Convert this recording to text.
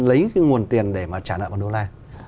lấy cái nguồn tiền để mà trả nợ bằng đô la